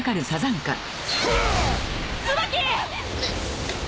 サザンカ。